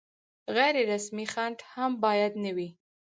غیر رسمي خنډ هم باید نه وي.